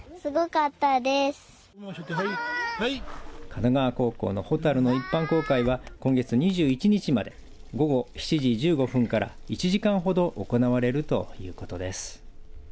門川高校の蛍の一般公開は今月２１日まで午後７時１５分から１時間ほど行われるということです。